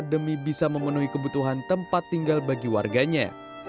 demi bisa memenuhi kebutuhan tempat tinggal bagi warganya